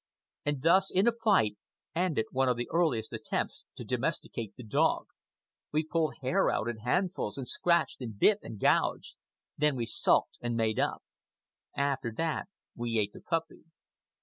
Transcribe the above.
And thus, in a fight, ended one of the earliest attempts to domesticate the dog. We pulled hair out in handfuls, and scratched and bit and gouged. Then we sulked and made up. After that we ate the puppy.